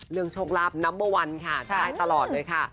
เรื่องโชคลัพธ์นัมเบอร์วันค่ะใช้ตลอดเลยค่ะ